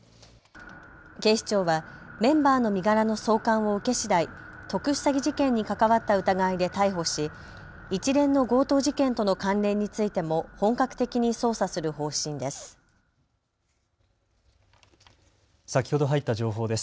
警視庁はメンバーの身柄の送還を受けしだい特殊詐欺事件に関わった疑いで逮捕し一連の強盗事件との関連についても本格的に捜査する方針です。